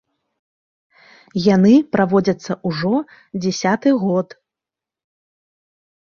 Яны праводзяцца ўжо дзясяты год.